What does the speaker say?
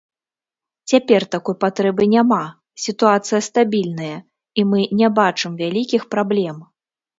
Цяпер такой патрэбы няма, сітуацыя стабільная, і мы не бачым вялікіх праблем.